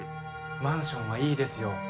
マンションはいいですよ。